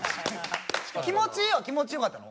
気持ちいいは気持ち良かったの？